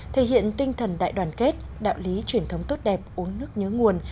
thể hiện tinh thần đại đoàn kết đạo lý truyền thống tốt đẹp uống nước nhớ nguồn